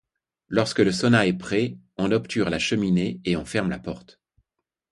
Lorsque le sauna est prêt, on obture la cheminée et on ferme la porte.